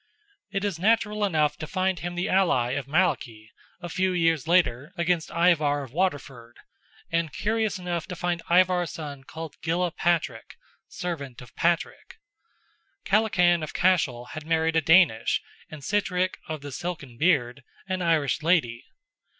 It is natural enough to find him the ally of Malachy, a few years later, against Ivar of Waterford; and curious enough to find Ivar's son called Gilla Patrick—servant of Patrick. Kellachan of Cashel had married a Danish, and Sitrick "of the Silken beard," an Irish lady.